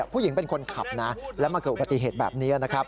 ผู้หญิงเป็นคนขับและมาเกิดอุปติเหตุแบบนี้